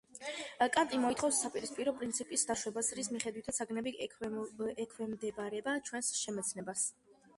კანტი მოითხოვს საპირისპირო პრინციპის დაშვებას, რის მიხედვითაც საგნები ექვემდებარება ჩვენს შემეცნებას.